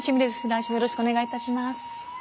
来週もよろしくお願いいたします。